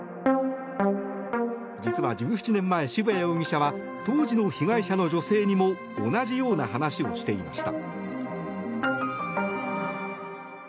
実は１７年前、渋谷容疑者は当時の被害者の女性にも同じような話をしていました。